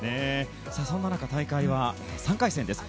そんな中大会は３回戦です。